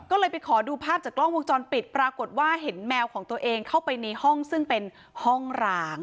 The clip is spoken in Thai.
ก็เลยไปขอดูภาพจากกล้องวงจรปิดปรากฏว่าเห็นแมวของตัวเองเข้าไปในห้องซึ่งเป็นห้องร้าง